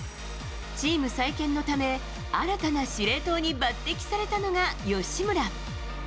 チーム再建のため新たな司令塔に抜擢されたのが吉村。